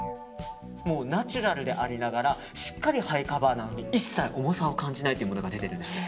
ナチュラルでありながらしっかりハイカバーなのに一切重さを感じないというものが出てるんですよ。